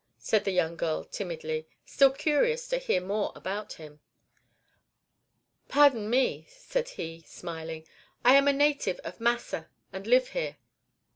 said the young girl, timidly, still curious to hear more about him. "Pardon me," said he, smiling; "I am a native of Massa, and live here."